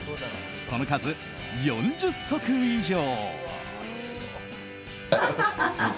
その数、４０足以上！